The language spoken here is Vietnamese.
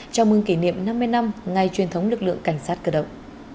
chào mừng kỷ niệm năm mươi năm ngày truyền thống lực lượng cảnh sát cơ động